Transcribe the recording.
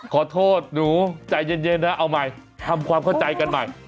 ขอโทษหนูใจเย็นนะเอาใหม่ทำความเข้าใจกันใหม่